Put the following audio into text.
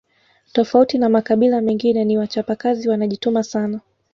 Tofauti na makabila mengine ni wachapakazi wanajituma sana